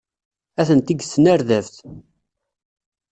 Atenti deg tnerdabt.